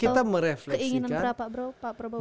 keinginan berapa pak prabowo